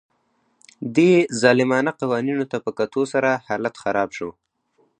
دې ظالمانه قوانینو ته په کتو سره حالت خراب شو